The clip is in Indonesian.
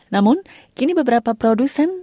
namun kini beberapa produsen